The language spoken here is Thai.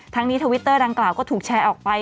ทั้งนี้ทวิตเตอร์ดังกล่าวก็ถูกแชร์ออกไป